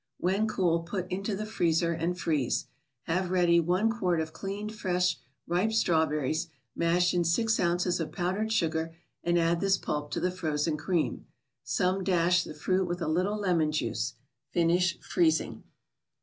When cool, put into the freezer and freeze. Have ready one quart of cleaned, fresh, ripe strawberries, mash in six ounces of powdered sugar, and add this pulp to the frozen cream. Some " dash " the fruit with a little lemon juice. Finish freezing.